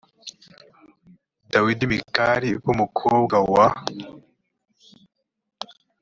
dawidi mikali b umukobwa wa